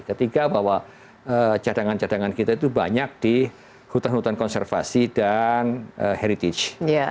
ketiga bahwa cadangan cadangan kita itu banyak di hutan hutan konservasi dan heritage